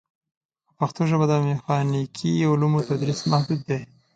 په پښتو ژبه د میخانیکي علومو تدریس محدود دی.